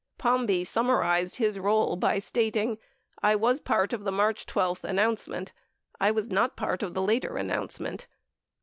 95 Palmby summarized his role by stating : "I was part of the March 12 announcement. I was not part of the later an nouncement."